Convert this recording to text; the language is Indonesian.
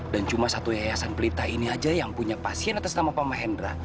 dan cuma satu yayasan pelita ini aja yang punya pasien atas nama pak mahendra